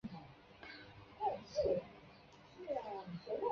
细银汉鱼属为辐鳍鱼纲银汉鱼目银汉鱼科的其中一属。